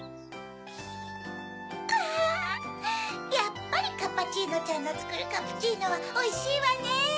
やっぱりカッパチーノちゃんがつくるカプチーノはおいしいわね！